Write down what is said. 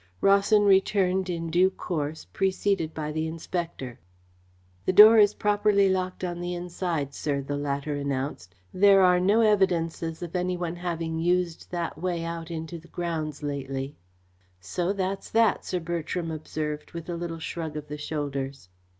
Rawson returned in due course, preceded by the inspector. "The door is properly locked on the inside, sir," the latter announced. "There are no evidences of any one having used that way out into the grounds lately." "So that's that," Sir Bertram observed, with a little shrug of the shoulders.